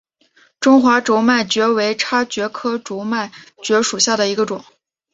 中华轴脉蕨为叉蕨科轴脉蕨属下的一个种。